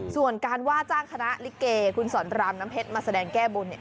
ส่วนการว่าจ้างคณะลิเกคุณสอนรามน้ำเพชรมาแสดงแก้บน